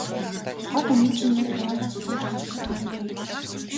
сохор хүний чинь нүд хуруундаа шилжээд орчихдог юм шүү дээ.